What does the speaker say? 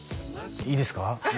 いいですか？